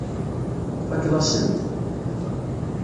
Tfakkeḍ-asen-t.